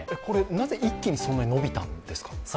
なぜ、一気にそんなに伸びたんですか？